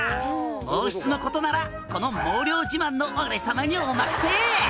「毛筆のことならこの毛量自慢の俺さまにお任せ！」